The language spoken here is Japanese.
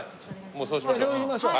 もうそうしましょう。